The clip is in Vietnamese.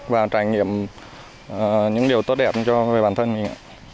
và trải nghiệm những điều tốt đẹp cho bản thân mình ạ